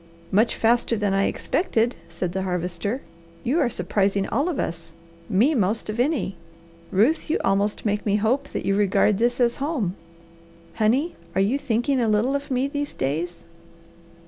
"Much faster than I expected," said the Harvester. "You are surprising all of us, me most of any. Ruth, you almost make me hope that you regard this as home. Honey, you are thinking a little of me these days?"